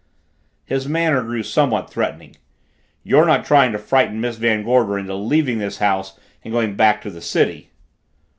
His manner grew somewhat threatening. "You're not trying to frighten Miss Van Gorder into leaving this house and going back to the city?"